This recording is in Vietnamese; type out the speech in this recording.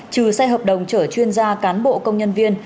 trừ xe hợp đồng chở chuyên gia cán bộ công nhân viên